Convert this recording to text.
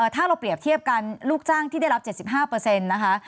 ถ้าเราเปรียบเทียบกันลูกจ้างที่ได้รับ๗๕นะคะ